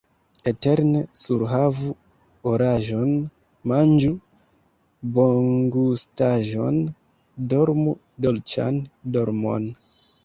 Eterne surhavu oraĵon, manĝu bongustaĵon, dormu dolĉan dormon!